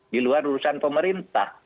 di luar urusan pemerintah